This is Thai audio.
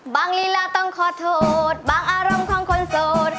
ลีลาต้องขอโทษบางอารมณ์ของคนโสด